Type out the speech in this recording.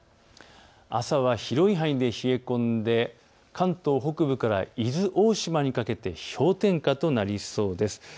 朝は広い範囲で冷え込んで関東北部から伊豆大島にかけて氷点下となりそうです。